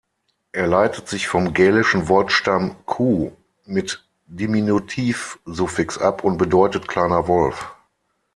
Er leitet sich vom gälischen Wortstamm "cú" mit Diminutiv-Suffix ab und bedeutet „kleiner Wolf“.